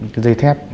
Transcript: cái dây thép